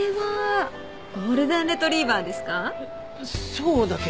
そうだけど。